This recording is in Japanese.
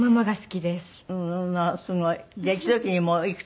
すごい。